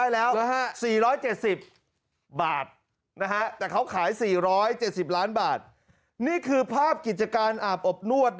๔๗๐ล้านบาท